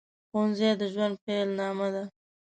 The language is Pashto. ښوونځي د ژوند پیل نامه ده